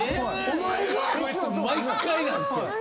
お前が⁉毎回なんですよ。